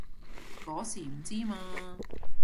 嗰時唔知嘛